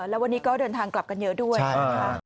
แล้ววันนี้ก็เดินทางกลับกันเยอะด้วยนะคะ